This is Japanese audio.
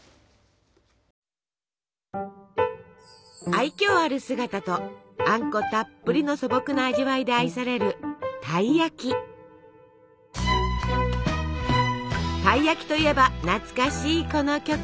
愛きょうある姿とあんこたっぷりの素朴な味わいで愛されるたい焼きといえば懐かしいこの曲。